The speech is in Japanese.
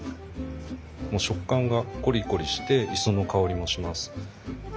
もう食感がコリコリして磯の香りもします。